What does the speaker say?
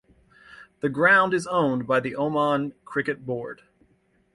The ground is owned by the Oman Cricket Board.